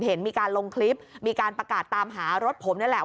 เห็นมีการลงคลิปมีการประกาศตามหารถผมนี่แหละ